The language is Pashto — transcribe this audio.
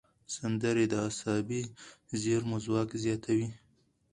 سندرې د عصبي زېرمو ځواک زیاتوي.